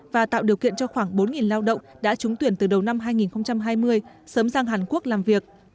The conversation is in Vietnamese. và tạo điều kiện cho khoảng bốn lao động đã trúng tuyển từ đầu năm hai nghìn hai mươi sớm sang hàn quốc làm việc